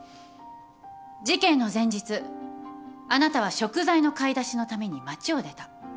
事件の前日あなたは食材の買い出しのために町を出た。